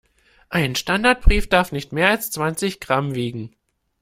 Ein Standardbrief darf nicht mehr als zwanzig Gramm wiegen.